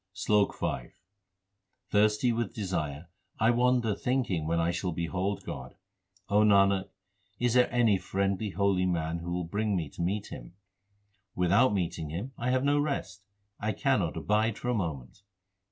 SLOK V Thirsty with desire I wander thinking when I shall behold God. O Nanak, is there any friendly holy man who will bring me to meet Him ? Without meeting Him I have no rest ; I cannot abide for a moment.